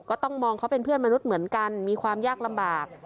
ก็ต้องมองเขาเป็นเพื่อนมนุษย์เหมือนกันมีความยากลำบาก